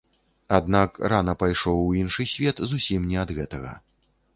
Аднак рана пайшоў у іншы свет зусім не ад гэтага.